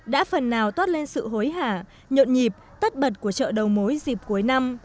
đã phần nào tót lên sự hối hạ nhộn nhịp tất bật của chợ đầu mối dịp cuối năm